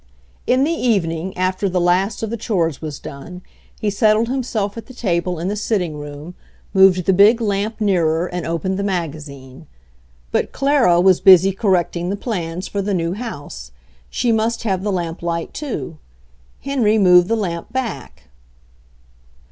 In the evening, after the last of the chores was done, he settled himself at the table in the sit 46 MAKING A FARM EFFICIENT 47 ting room, moved the big lamp nearer and opened the magazine. But Clara was busy correcting the plans for the new house; she must have the lamp light, too. Henry moved the lamp back.